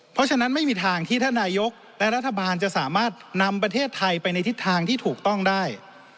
เพราะฉะนั้นไม่มีทางที่ท่านนายกและรัฐบาลจะสามารถนำประเทศไทยไปในทิศทางที่ถูกต้องได้